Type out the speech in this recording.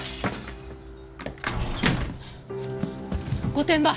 御殿場！